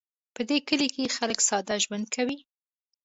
په دې کلي کې خلک ساده ژوند کوي